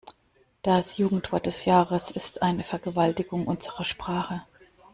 Das Jugendwort des Jahres ist eine Vergewaltigung unserer Sprache.